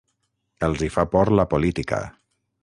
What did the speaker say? Els hi fa por la política.